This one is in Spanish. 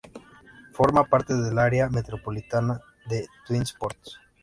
Forma parte del área metropolitana de Twin Ports.